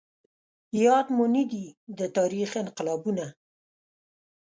ياد مو نه دي د تاريخ انقلابونه